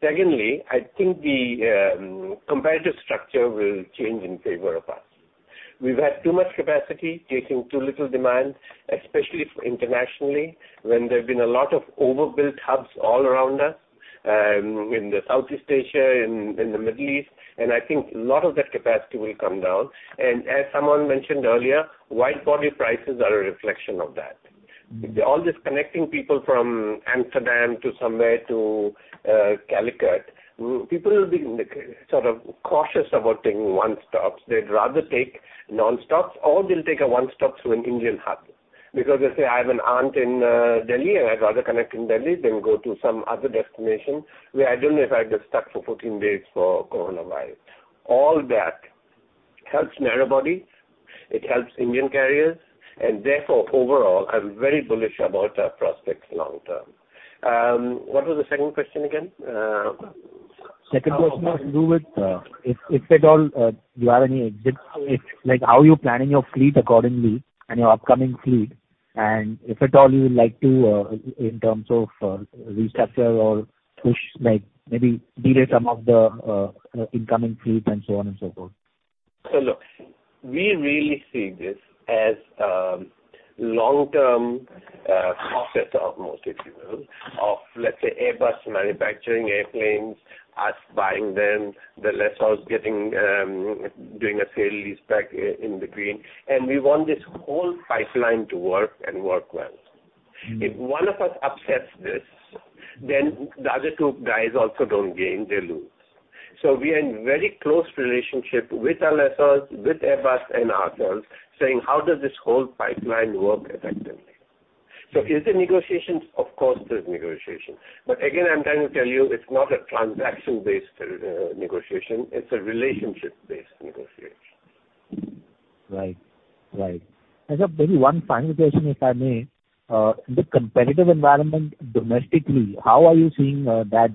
Secondly, I think the competitive structure will change in favor of us. We've had too much capacity chasing too little demand, especially internationally, when there have been a lot of overbuilt hubs all around us in the Southeast Asia, in the Middle East, and I think a lot of that capacity will come down. As someone mentioned earlier, wide-body prices are a reflection of that. All this connecting people from Amsterdam to somewhere to Calicut, people will be sort of cautious about taking one-stops. They'd rather take non-stops or they'll take a one-stop to an Indian hub because they say, "I have an aunt in Delhi and I'd rather connect in Delhi than go to some other destination where I don't know if I'd get stuck for 14 days for coronavirus." All that helps narrow bodies, it helps Indian carriers. Therefore, overall, I'm very bullish about our prospects long-term. What was the second question again? Second question has to do with if at all you have any exit, like how you're planning your fleet accordingly and your upcoming fleet, and if at all you would like to, in terms of restructure or push, maybe delay some of the incoming fleet and so on and so forth. Look, we really see this as a long-term process of most issues of, let's say, Airbus manufacturing airplanes, us buying them, the lessors doing a sale leaseback in between. We want this whole pipeline to work and work well. If one of us upsets this, then the other two guys also don't gain, they lose. We are in very close relationship with our lessors, with Airbus and others saying, "How does this whole pipeline work effectively?" Is there negotiations? Of course, there's negotiations. Again, I'm trying to tell you it's not a transaction-based negotiation. It's a relationship-based negotiation. Right. Sir, maybe one final question, if I may. The competitive environment domestically, how are you seeing that?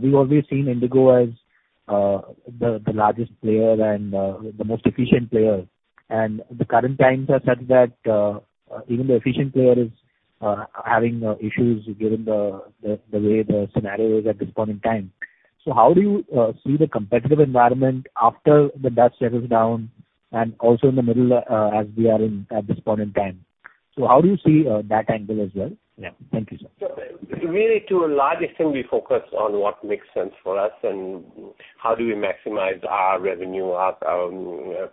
We've always seen IndiGo as the largest player and the most efficient player, and the current times are such that even the efficient player is having issues given the way the scenario is at this point in time. How do you see the competitive environment after the dust settles down and also in the middle as we are at this point in time? How do you see that angle as well? Yeah. Thank you, sir. Really, to a large extent, we focus on what makes sense for us and how do we maximize our revenue,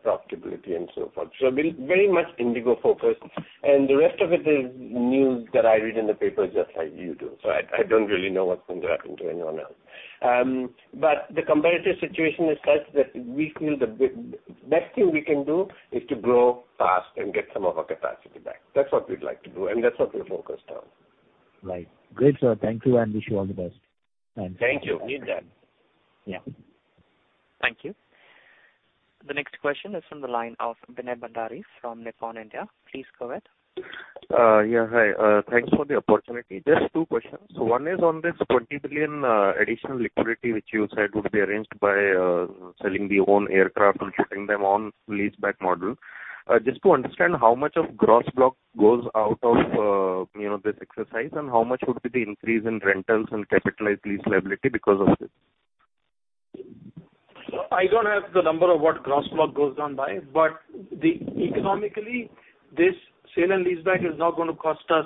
profitability and so forth. Very much IndiGo-focused, and the rest of it is news that I read in the papers just like you do. I don't really know what's going to happen to anyone else. The competitive situation is such that we feel the best thing we can do is to grow fast and get some of our capacity back. That's what we'd like to do, and that's what we're focused on. Right. Great, sir. Thank you and wish you all the best. Thank you. Indeed. Yeah. Thank you. The next question is from the line of Vinay Bhandari from Nippon India. Please go ahead. Hi. Thanks for the opportunity. Just two questions. One is on this 20 billion additional liquidity, which you said would be arranged by selling the own aircraft and putting them on leaseback model. Just to understand how much of gross block goes out of this exercise and how much would be the increase in rentals and capitalized lease liability because of this? I don't have the number of what gross block goes down by, but economically, this sale and leaseback is not going to cost us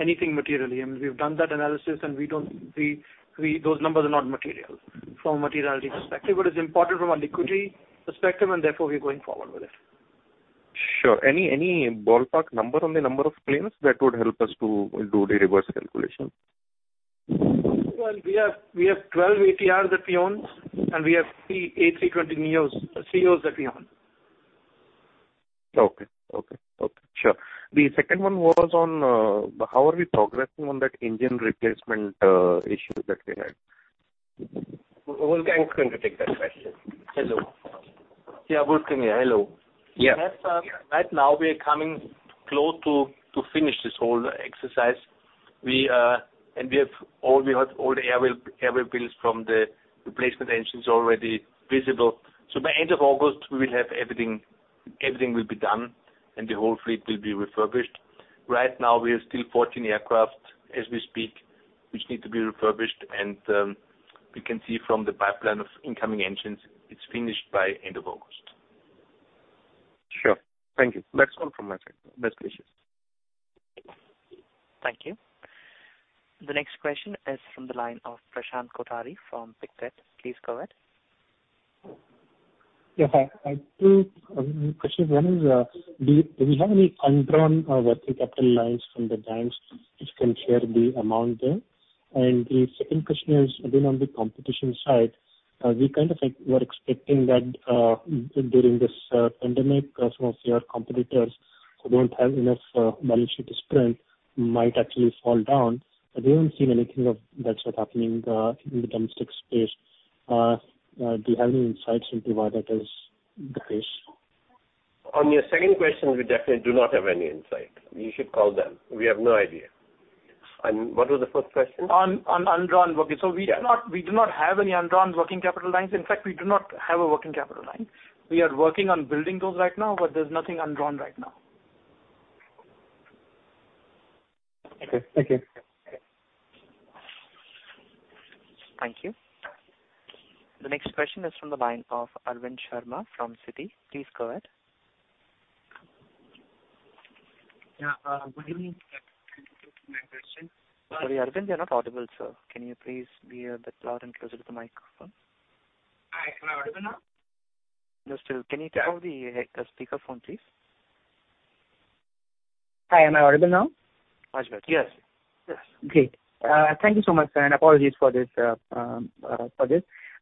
anything materially. We've done that analysis, and those numbers are not material from a materiality perspective. It's important from a liquidity perspective, and therefore we're going forward with it. Sure. Any ballpark number on the number of planes that would help us to do the reverse calculation? Well, we have 12 ATRs that we own, and we have three A320 ceos that we own. Okay. Sure. The second one was on how are we progressing on that engine replacement issue that we had? Wolfgang is going to take that question. Hello. Yeah, Wolfgang here. Hello. Yeah. Right now we're coming close to finish this whole exercise. We have all the air bills from the replacement engines already visible. By end of August, we will have everything will be done and the whole fleet will be refurbished. Right now we have still 14 aircraft as we speak, which need to be refurbished. We can see from the pipeline of incoming engines, it's finished by end of August. Sure. Thank you. That is all from my side. Best wishes. Thank you. The next question is from the line of Prashant Kothari from Pictet. Please go ahead. Yeah, hi. Two questions. One is, do you have any undrawn working capital lines from the banks? If you can share the amount there. The second question is, again, on the competition side, we were expecting that during this pandemic, some of your competitors who don't have enough balance sheet strength might actually fall down, but we haven't seen anything of that sort happening in the domestic space. Do you have any insights into why that is the case? On your second question, we definitely do not have any insight. You should call them. We have no idea. What was the first question? We do not have any undrawn working capital lines. In fact, we do not have a working capital line. We are working on building those right now, but there's nothing undrawn right now. Okay. Thank you. Thank you. The next question is from the line of Arvind Sharma from Citi. Please go ahead. Yeah. Good evening. Thank you for my question. Sorry, Arvind, you're not audible, sir. Can you please be a bit louder and closer to the microphone? Hi, am I audible now? No, still. Can you turn on the speakerphone, please? Hi, am I audible now? Much better. Yes. Great. Thank you so much. Apologies for this.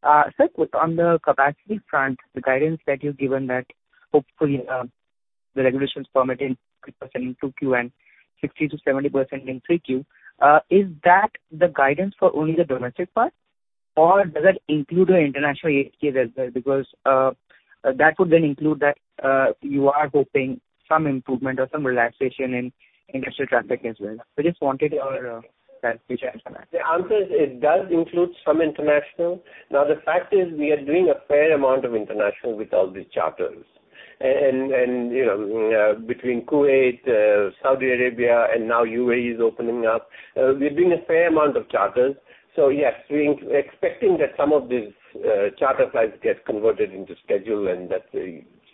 Sir, on the capacity front, the guidance that you've given that hopefully the regulations permit in 50% in 2Q and 60%-70% in 3Q, is that the guidance for only the domestic part or does that include your international ASK as well? That would then include that you are hoping some improvement or some relaxation in international traffic as well. I just wanted your clarification on that. The answer is it does include some international. The fact is we are doing a fair amount of international with all these charters. Between Kuwait, Saudi Arabia, and now UAE is opening up, we're doing a fair amount of charters. Yes, we're expecting that some of these charter flights get converted into schedule and that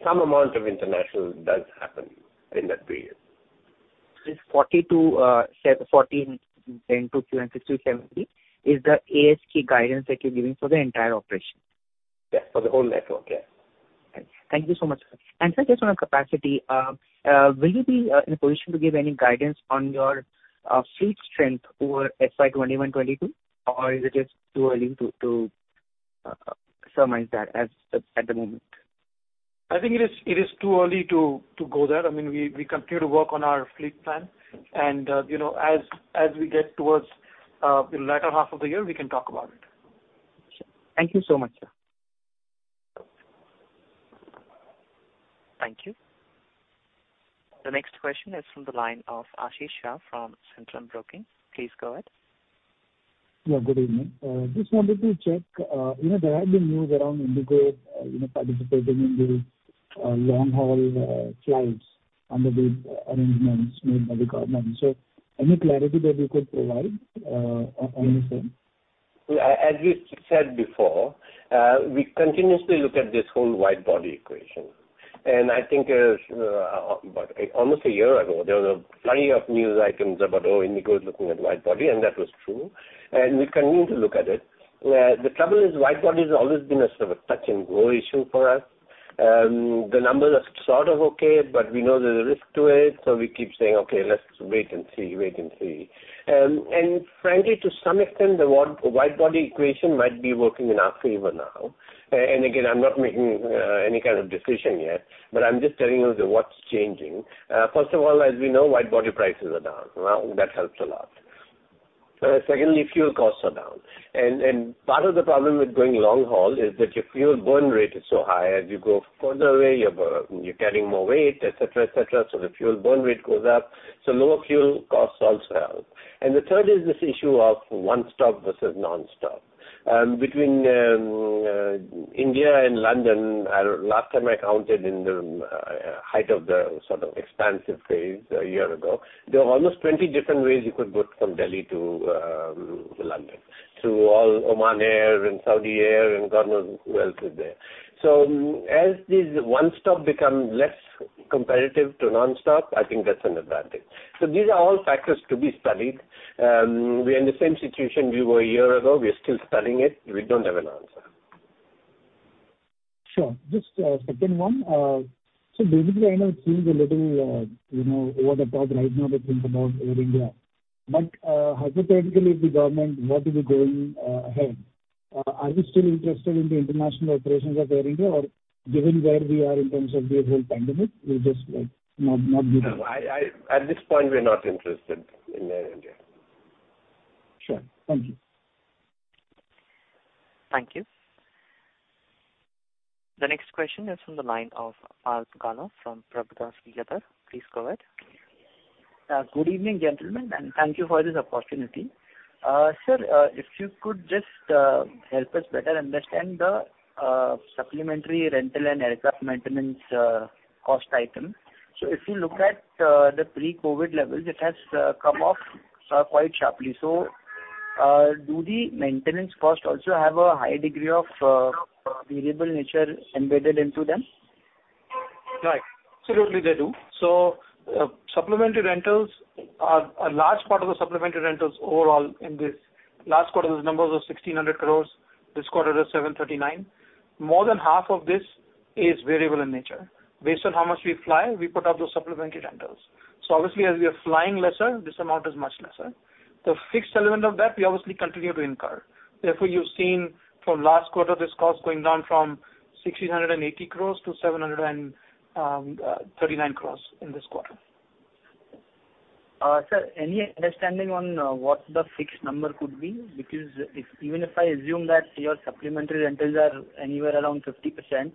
some amount of international does happen in that period. This 40-50, 2Q and 60, 70 is the ASK guidance that you're giving for the entire operation? Yeah. For the whole network. Yeah. Thank you so much, sir. Sir, just on capacity, will you be in a position to give any guidance on your fleet strength over FY 2021, 2022? Is it just too early to surmise that at the moment? I think it is too early to go there. We continue to work on our fleet plan and as we get towards the latter half of the year, we can talk about it. Sure. Thank you so much, sir. Thank you. The next question is from the line of Ashish Shah from Centrum Broking. Please go ahead. Yeah, good evening. Just wanted to check, there have been news around IndiGo participating in the long-haul flights under the arrangements made by the government. Any clarity that you could provide on the same? As we said before, we continuously look at this whole wide-body equation. I think almost a year ago, there were plenty of news items about, oh, IndiGo is looking at wide-body, and that was true. We continue to look at it. The trouble is wide-body has always been a sort of touch-and-go issue for us. The numbers are sort of okay. We know there is a risk to it, so we keep saying, "Okay, let's wait and see." Frankly, to some extent, the wide-body equation might be working in our favor now. Again, I'm not making any kind of decision yet, but I'm just telling you what's changing. First of all, as we know, wide-body prices are down. Well, that helps a lot. Secondly, fuel costs are down. Part of the problem with going long haul is that your fuel burn rate is so high. As you go further away, you're carrying more weight, et cetera. The fuel burn rate goes up. Lower fuel costs also help. The third is this issue of one stop versus non-stop. Between India and London, last time I counted in the height of the expansive phase a year ago, there were almost 20 different ways you could go from Delhi to London, through all Oman Air and Saudia and God knows who else is there. As this one stop becomes less competitive to non-stop, I think that's an advantage. These are all factors to be studied. We are in the same situation we were a year ago. We are still studying it. We don't have an answer. Sure. Just a second one. Basically, I know things are a little over the top right now between both Air India. Hypothetically, if the government were to be going ahead, are you still interested in the international operations of Air India? Given where we are in terms of the whole pandemic, we'll just not do that. At this point, we're not interested in Air India. Sure. Thank you. Thank you. The next question is from the line of Paarth Gala from Prabhudas Lilladher. Please go ahead. Good evening, gentlemen, and thank you for this opportunity. Sir, if you could just help us better understand the supplementary rental and aircraft maintenance cost item. If you look at the pre-COVID levels, it has come off quite sharply. Do the maintenance costs also have a high degree of variable nature embedded into them? Right. Absolutely, they do. A large part of the supplementary rentals overall in this last quarter's numbers of 1,600 crores, this quarter is 739 crores. More than half of this is variable in nature. Based on how much we fly, we put up those supplementary rentals. Obviously, as we are flying lesser, this amount is much lesser. The fixed element of that we obviously continue to incur. You've seen from last quarter, this cost going down from 1,680 crores to 739 crores in this quarter. Sir, any understanding on what the fixed number could be? Even if I assume that your supplementary rentals are anywhere around 50%,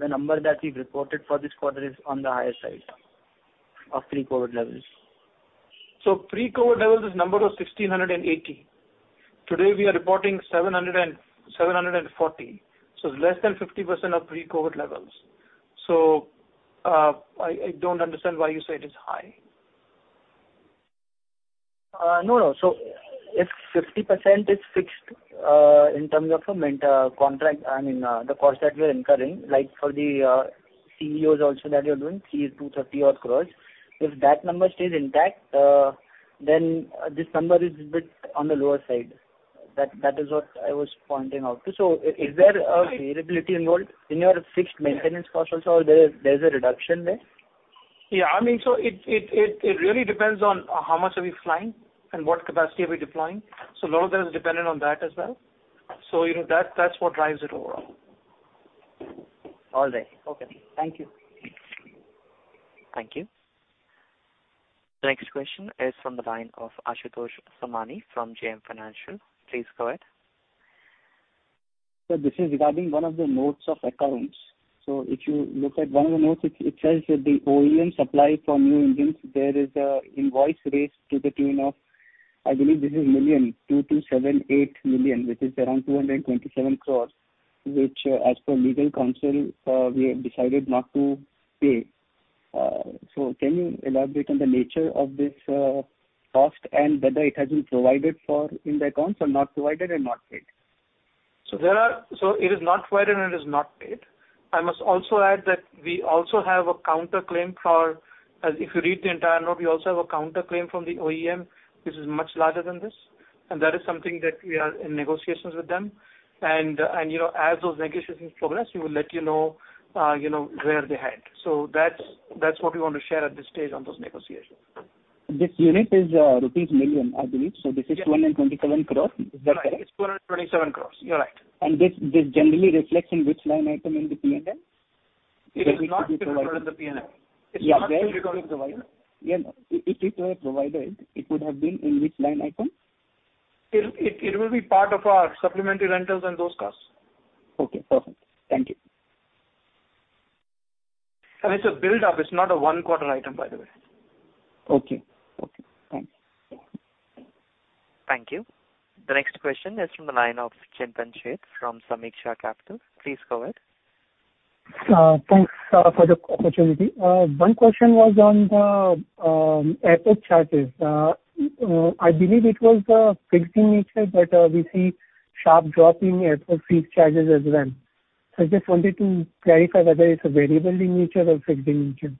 the number that we've reported for this quarter is on the higher side of pre-COVID-19 levels. Pre-COVID levels, this number was 1,680. Today we are reporting 740. It's less than 50% of pre-COVID levels. I don't understand why you say it is high. No. If 50% is fixed in terms of the cost that you're incurring, like for the A320 ceo also that you're doing, A320 ceo is 230 odd crores. If that number stays intact, then this number is a bit on the lower side. That is what I was pointing out to. Is there a variability involved in your fixed maintenance cost also, or there's a reduction there? Yeah. It really depends on how much are we flying and what capacity are we deploying. A lot of that is dependent on that as well. That's what drives it overall. All right. Okay. Thank you. Thank you. The next question is from the line of Ashutosh Somani from JM Financial. Please go ahead. Sir, this is regarding one of the notes of accounts. If you look at one of the notes, it says that the OEM supply from new engines, there is an invoice raised to the tune of, I believe this is million, 2,278 million, which is around 227 crores, which, as per legal counsel, we have decided not to pay. Can you elaborate on the nature of this cost and whether it has been provided for in the accounts or not provided and not paid? It is not provided and it is not paid. I must also add that we also have a counter claim for, if you read the entire note, we also have a counter claim from the OEM, which is much larger than this. That is something that we are in negotiations with them. As those negotiations progress, we will let you know where they head. That's what we want to share at this stage on those negotiations. This unit is rupees million, I believe. This is 227 crores. Is that correct? Right. It's 227 crores. You're right. This generally reflects in which line item in the P&L? It is not recorded in the P&L. It's not recorded. If it were provided, it would have been in which line item? It will be part of our supplementary rentals and those costs. Okay, perfect. Thank you. It's a build-up. It's not a one-quarter item, by the way. Okay. Thanks. Thank you. The next question is from the line of Chintan Sheth from Sameeksha Capital. Please go ahead. Thanks for the opportunity. One question was on the airport charges. I believe it was fixed in nature. We see sharp drop in airport fee charges as well. I just wanted to clarify whether it's a variable in nature or fixed in nature.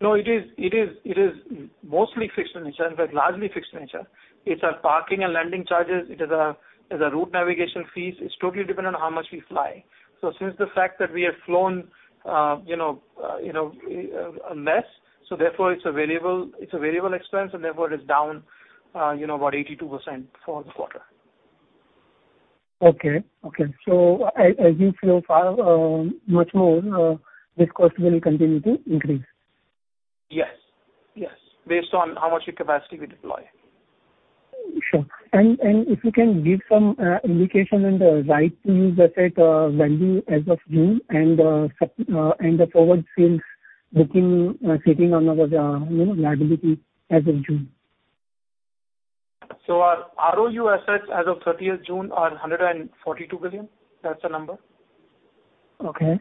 No, it is mostly fixed in nature. In fact, largely fixed in nature. It's our parking and landing charges. It is our route navigation fees. It's totally dependent on how much we fly. Since the fact that we have flown less, so therefore it's a variable expense, and therefore it is down about 82% for the quarter. Okay. As you fly much more, this cost will continue to increase? Yes. Based on how much capacity we deploy. If you can give some indication on the right things, let's say, value as of June and the forward sales booking sitting on our liability as of June. Our ROU assets as of 30th June are 142 billion. That's the number. Okay.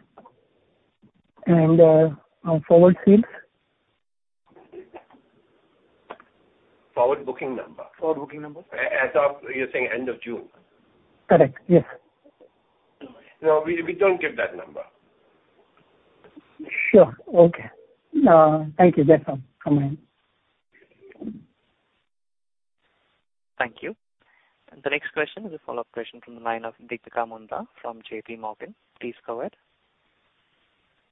Our forward sales? Forward booking number? Forward booking number. As of, you're saying, end of June? Correct. Yes. No, we don't give that number. Sure. Okay. Thank you. That's all from my end. Thank you. The next question is a follow-up question from the line of Deepika Mundra from JPMorgan. Please go ahead.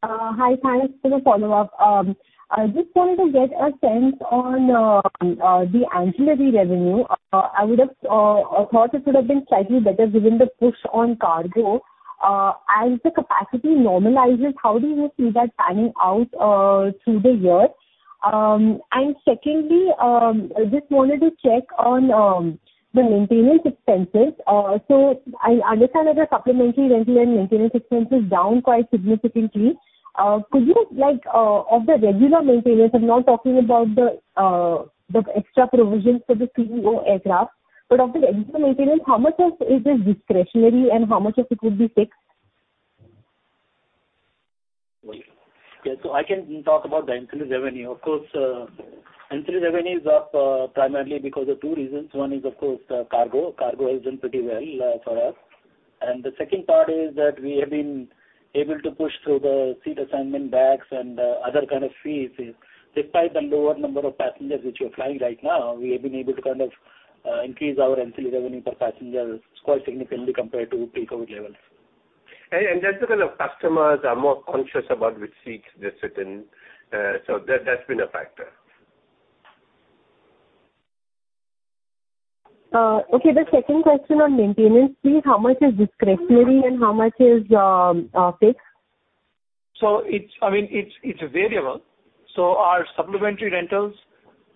Hi. Thanks for the follow-up. I just wanted to get a sense on the ancillary revenue. I would have thought it would have been slightly better given the push on cargo. As the capacity normalizes, how do you see that panning out through the year? Secondly, I just wanted to check on the maintenance expenses. I understand that the supplementary rental and maintenance expense is down quite significantly. Of the regular maintenance, I'm not talking about the extra provisions for the ceo aircraft. Of the regular maintenance, how much of it is discretionary and how much of it would be fixed? I can talk about the ancillary revenue. Of course, ancillary revenue is up primarily because of two reasons. One is, of course, cargo. Cargo has done pretty well for us. The second part is that we have been able to push through the seat assignment bags and other kind of fees. Despite the lower number of passengers which we are flying right now, we have been able to increase our ancillary revenue per passenger quite significantly compared to pre-COVID levels. That's because our customers are more conscious about which seats they sit in. That's been a factor. Okay. The second question on maintenance, please, how much is discretionary and how much is fixed? It's variable. Our supplementary rentals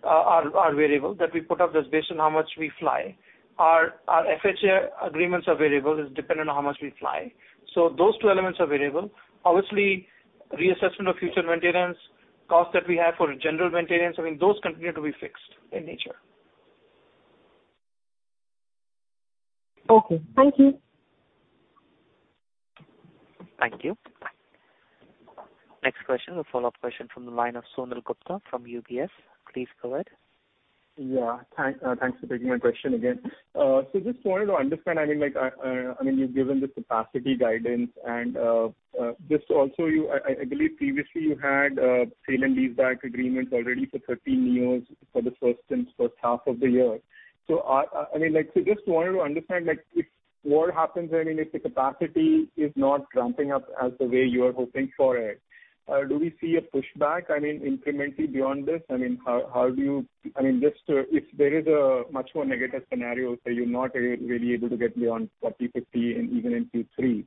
are variable, that we put up just based on how much we fly. Our FHA agreements are variable, is dependent on how much we fly. Those two elements are variable. Obviously, reassessment of future maintenance costs that we have for general maintenance, those continue to be fixed in nature. Okay. Thank you. Thank you. Next question is a follow-up question from the line of Sonal Gupta from UBS. Please go ahead. Yeah. Thanks for taking my question again. Just wanted to understand, you've given the capacity guidance and just also, I believe previously you had sale and lease back agreements already for 13 years for the first half of the year. Just wanted to understand if worse happens and if the capacity is not ramping up as the way you are hoping for it, do we see a pushback incrementally beyond this? If there is a much more negative scenario, say you're not really able to get beyond 40/50 and even into three.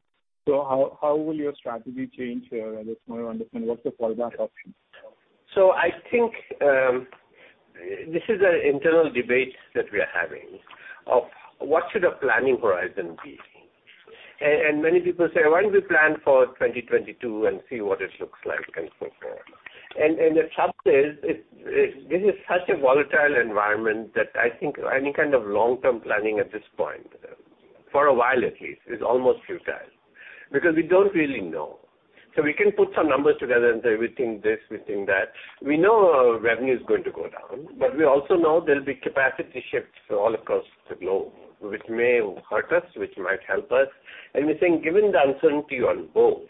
How will your strategy change here? I just want to understand what's the fallback option. I think this is an internal debate that we are having of what should the planning horizon be. Many people say, "Why don't we plan for 2022 and see what it looks like and so forth." The truth is, this is such a volatile environment that I think any kind of long-term planning at this point, for a while at least, is almost futile because we don't really know. We can put some numbers together and say we think this, we think that. We know our revenue is going to go down, but we also know there'll be capacity shifts all across the globe, which may hurt us, which might help us. We think given the uncertainty on both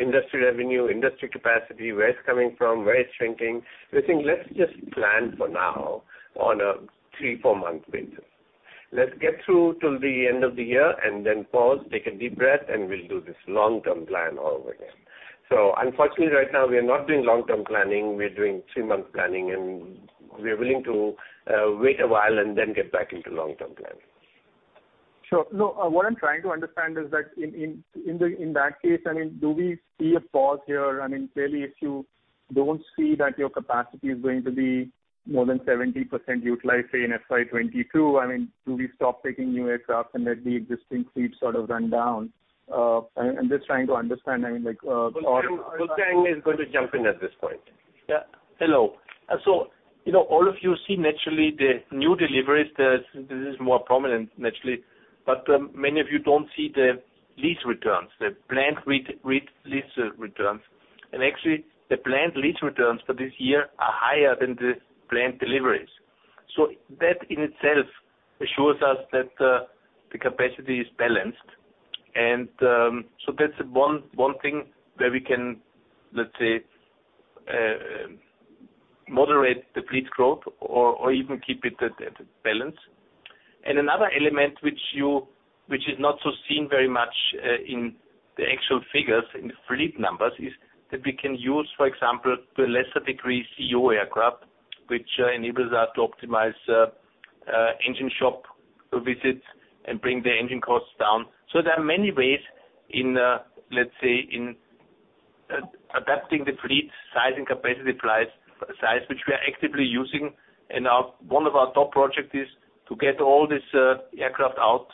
industry revenue, industry capacity, where it's coming from, where it's shrinking, we think let's just plan for now on a three, fourth-month window. Let's get through till the end of the year and then pause, take a deep breath, and we'll do this long-term plan all over again. Unfortunately right now we are not doing long-term planning. We are doing three-month planning, and we are willing to wait a while and then get back into long-term planning. Sure. No, what I'm trying to understand is that in that case, do we see a pause here? Clearly, if you don't see that your capacity is going to be more than 70% utilized, say in FY 2022, do we stop taking new aircraft and let the existing fleet sort of run down? I'm just trying to understand. Guentin is going to jump in at this point. Yeah. Hello. All of you see naturally the new deliveries. This is more prominent naturally, but many of you don't see the lease returns, the planned lease returns. Actually, the planned lease returns for this year are higher than the planned deliveries. That in itself assures us that the capacity is balanced. That's one thing where we can, let's say, moderate the fleet growth or even keep it at balance. Another element which is not so seen very much in the actual figures, in the fleet numbers, is that we can use, for example, to a lesser degree, ceo aircraft, which enables us to optimize engine shop visits and bring the engine costs down. There are many ways in, let's say, in adapting the fleet size and capacity size, which we are actively using. One of our top projects is to get all this aircraft out,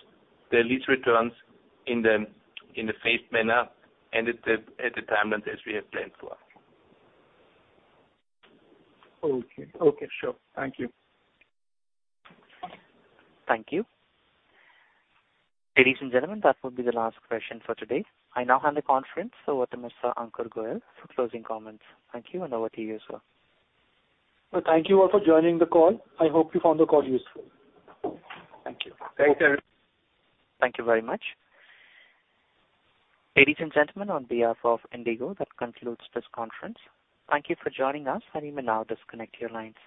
the lease returns in a safe manner and at the timeline that we have planned for. Okay. Sure. Thank you. Thank you. Ladies and gentlemen, that will be the last question for today. I now hand the conference over to Mr. Ankur Goel for closing comments. Thank you, and over to you as well. Thank you all for joining the call. I hope you found the call useful. Thank you. Thanks, everyone. Thank you very much. Ladies and gentlemen, on behalf of IndiGo, that concludes this conference. Thank you for joining us. You may now disconnect your lines.